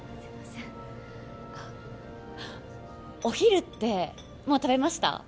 お昼ってもう食べました？